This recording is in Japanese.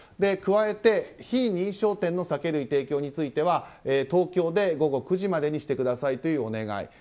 加えて、非認証店の酒類提供については東京で午後９時までにしてくださいというお願い。